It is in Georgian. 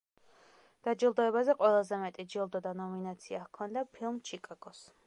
დაჯილდოებაზე ყველაზე მეტი ჯილდო და ნომინაცია ჰქონდა ფილმ „ჩიკაგოს“.